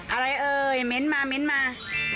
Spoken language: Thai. อะไรเอ่ยเม้นต์มา